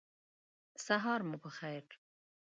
سهار مو په خیر !